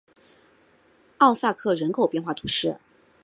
奥萨克人口变化图示